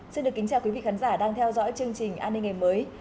xin được kính chào quý vị khán giả đang theo dõi chương trình an ninh ngày mới